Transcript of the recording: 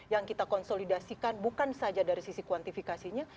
yang kita konsolidasikan bukan saja dari sisi kuantifikasinya